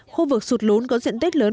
khu vực sụt lún có diện tích lớn